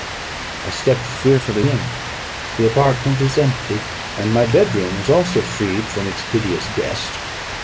I stepped fearfully in: the apartment was empty; and my bed room was also freed from its hideous guest.